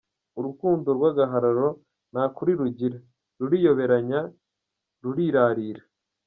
Urukundo rw’agahararo nta kuri rugira, ruriyoberanya, rurirarira.